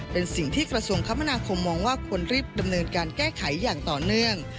เป็นสิ่งที่กระทรวงคมนาคมมองว่าควรรีบดำเนินการแก้ไขอย่างต่อเนื่อง